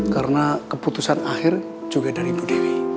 karena keputusan akhir juga dari bu dewi